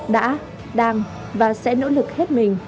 đã đang và sẽ nỗ lực hết mình